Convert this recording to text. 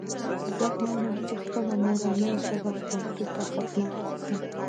زه غواړم چې خپلې مورنۍ ژبې پښتو ته خدمت وکړم